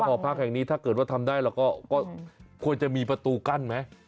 หอพักแห่งนี้ถ้าเกิดว่าทำได้เราก็ควรจะมีประตูกั้นไหม